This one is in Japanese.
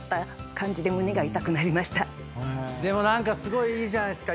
でも何かすごいいいじゃないですか。